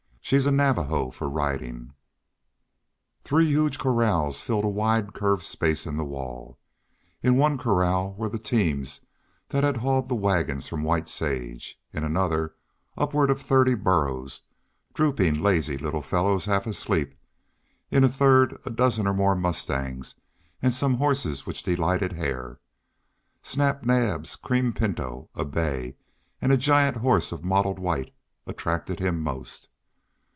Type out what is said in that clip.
She's a Navajo for riding." Three huge corrals filled a wide curved space in the wall. In one corral were the teams that had hauled the wagons from White Sage; in another upward of thirty burros, drooping, lazy little fellows half asleep; in the third a dozen or more mustangs and some horses which delighted Hare. Snap Naab's cream pinto, a bay, and a giant horse of mottled white attracted him most.